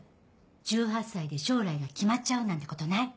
１８歳で将来が決まっちゃうなんてことない。